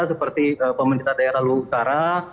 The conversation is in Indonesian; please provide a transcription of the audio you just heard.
seperti pemerintah daerah luhut utara